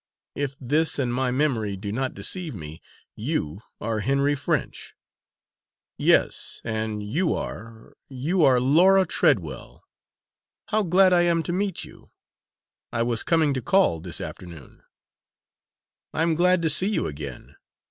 If this and my memory do not deceive me, you are Henry French!" "Yes, and you are you are Laura Treadwell! How glad I am to meet you! I was coming to call this afternoon." "I'm glad to see you again.